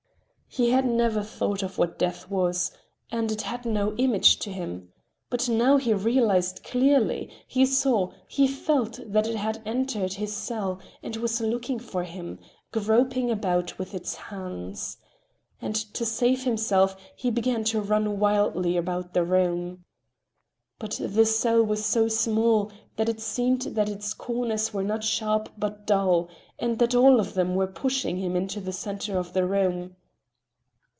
He had never thought of what death was, and it had no image to him—but now he realized clearly, he saw, he felt that it had entered his cell and was looking for him, groping about with its hands. And to save himself, he began to run wildly about the room. But the cell was so small that it seemed that its corners were not sharp but dull, and that all of them were pushing him into the center of the room.